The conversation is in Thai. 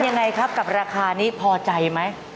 เป็นอย่างไรครับกับราคานี้พอใจไหม